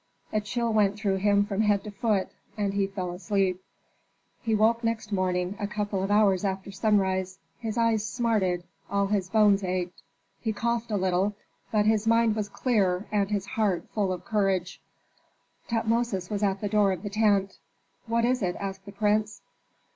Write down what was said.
A chill went through him from head to foot, and he fell asleep. He woke next morning a couple of hours after sunrise. His eyes smarted, all his bones ached; he coughed a little, but his mind was clear and his heart full of courage. Tutmosis was at the door of the tent. "What is it?" asked the prince.